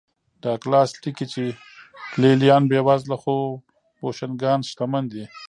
ډاګلاس لیکي چې لې لیان بېوزله خو بوشونګان شتمن دي